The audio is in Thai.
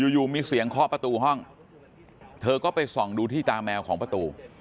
อยู่มีเสียงเคาะประตูห้องเธอก็ไปส่องดูที่ตาแมวของประตู